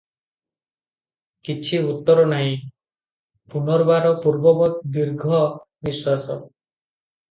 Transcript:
କିଛି ଉତ୍ତର ନାହିଁ, ପୁନର୍ବାର ପୂର୍ବବତ୍ ଦୀର୍ଘ ନିଶ୍ୱାସ ।